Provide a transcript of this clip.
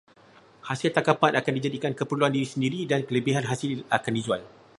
Hasil tangkapan akan dijadikan keperluan diri sendiri dan lebihan hasil akan dijual.